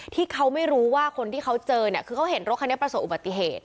ที่เขาไม่รู้ว่าคนที่เขาเจอเนี่ยคือเขาเห็นรถคันนี้ประสบอุบัติเหตุ